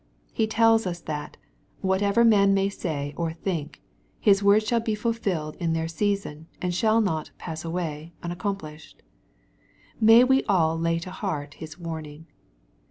( He tells us that, whatever man may say or think, His words shall be fulfilled in their season, and shall not " pass away,'' unaccomplished. ^ May we all lay to heart His warning.